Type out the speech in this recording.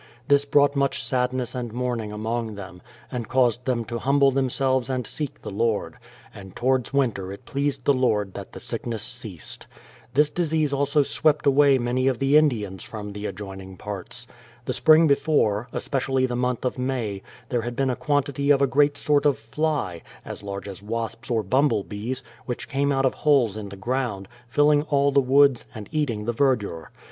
This brought much sadness and mourning among them, and caused them to humble them selves and seek the Lord; and towards winter it pleased the Lord that the sickness ceased. This disease also swept away many of the Indians from the adjoining parts. The Spring before, especially the month of May, there had been a quantity of a great sort of fly, as large as wasps or bumble bees, which came out of holes in the ground, fill ing all the woods, and eating the verdure.